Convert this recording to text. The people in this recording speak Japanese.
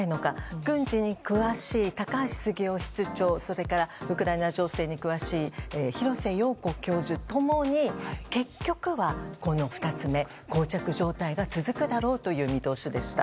軍事に詳しい高橋杉雄室長それからウクライナ情勢に詳しい廣瀬陽子教授共に結局は、２つ目の膠着状態が続くだろうという見通しでした。